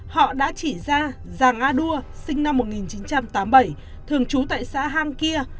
họ đã chỉ ra giàng a đua sinh năm một nghìn chín trăm tám mươi bảy thường trú tại xã ham kia